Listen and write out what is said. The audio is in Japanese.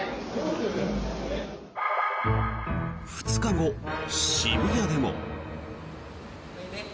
２日後、渋谷でも。